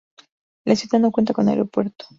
La ciudad no cuenta con aeropuerto.